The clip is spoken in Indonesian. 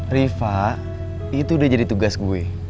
rifa itu udah jadi tugas gue